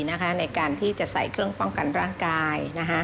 ในการที่จะใส่เครื่องป้องกันร่างกาย